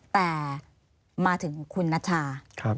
แต่มาถึงคุณนัชชา